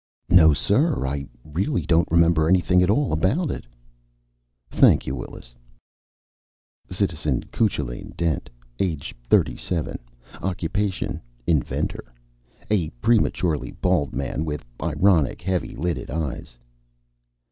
"No, sir. I really don't remember anything at all about it." "Thank you. Willis." (_Citizen Cuchulain Dent, age 37, occupation inventor. A prematurely bald man with ironic, heavy lidded eyes.